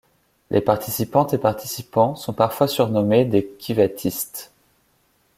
Les participantes et participants sont parfois surnommés des Kivatistes.